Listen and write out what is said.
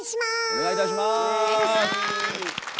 お願いいたします。